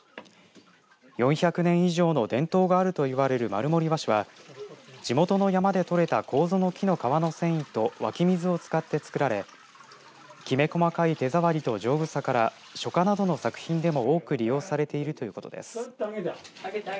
４００年以上の伝統があるといわれる丸森和紙は地元の山で採れたこうぞの木の皮の繊維と湧き水を使って作られきめ細かい手触りと丈夫さから書家などの作品でも多く利用されているということです。